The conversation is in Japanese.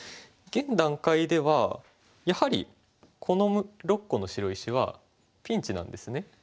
現段階ではやはりこの６個の白石はピンチなんですね。